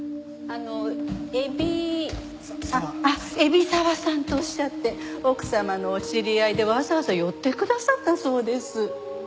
あっ海老沢さんとおっしゃって奥様のお知り合いでわざわざ寄ってくださったそうです。